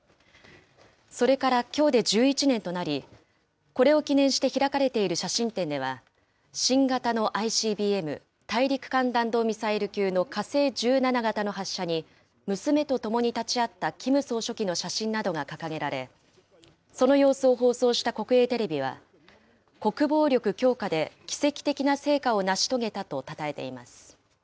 それからきょうで１１年となり、これを記念して開かれている写真展では、新型のＩＣＢＭ・大陸間弾道ミサイル級の火星１７型の発射に娘とともに立ち会ったキム総書記の写真などが掲げられ、その様子を放送した国営テレビは、国防力強化で奇跡的な成果を成し遂げたとたたえています。